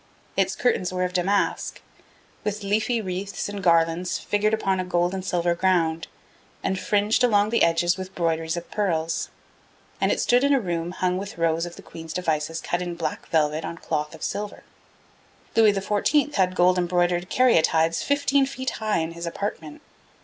Its curtains were of damask, 'with leafy wreaths and garlands figured upon a gold and silver ground, and fringed along the edges with broideries of pearls,' and it stood in a room hung with rows of the Queen's devices in cut black velvet on cloth of silver. Louis XIV. had gold embroidered caryatides fifteen feet high in his apartment.